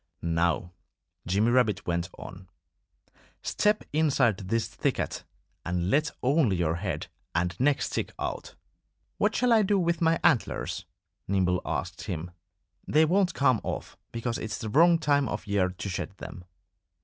"Now," Jimmy Rabbit went on, "step inside this thicket and let only your head and neck stick out!" "What shall I do with my antlers?" Nimble asked him. "They won't come off, because it's the wrong time of year to shed them."